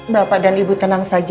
bapak dan ibu tenang saja